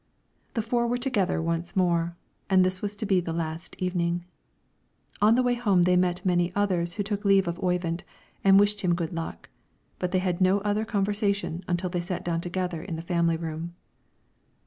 The four were together once more, and this was to be the last evening. On the way home they met many others who took leave of Oyvind and wished him good luck; but they had no other conversation until they sat down together in the family room.